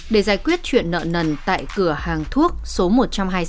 để giải quyết chuyện nợ nần tại cửa hàng thuốc số một trăm hai mươi sáu